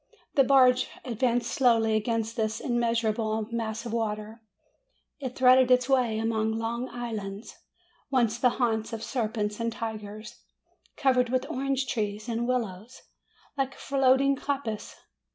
The barge advanced slowly against this immeasurable mass of water. It threaded its way among long islands, once the haunts of serpents and tigers, covered with orange trees and willows, like floating coppices.